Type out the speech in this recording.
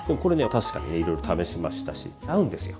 確かにいろいろ試しましたし合うんですよ。